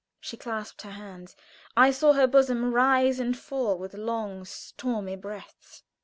She clasped her hands. I saw her bosom rise and fall with long, stormy breaths.